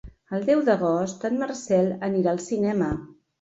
El deu d'agost en Marcel anirà al cinema.